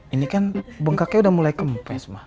ini kan bengkake udah mulai kempes